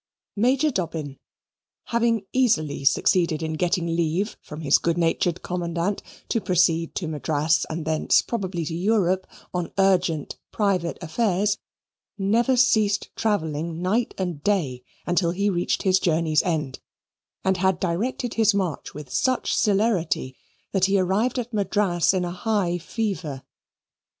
Major Dobbin having easily succeeded in getting leave from his good natured commandant to proceed to Madras, and thence probably to Europe, on urgent private affairs, never ceased travelling night and day until he reached his journey's end, and had directed his march with such celerity that he arrived at Madras in a high fever.